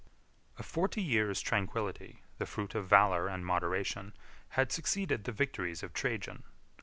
A forty years' tranquillity, the fruit of valor and moderation, had succeeded the victories of Trajan.